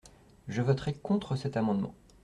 Je voterai contre cet amendement.